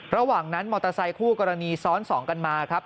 ระหว่างนั้นมอเตอร์ไซคู่กรณีซ้อนสองกันมาครับ